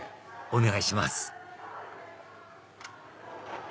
お願いします